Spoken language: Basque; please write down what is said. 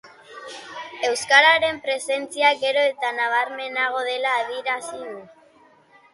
Euskararen presentzia gero eta nabarmenagoa dela adierazi du.